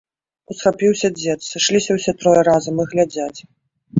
Усхапіўся дзед, сышліся ўсе трое разам і глядзяць.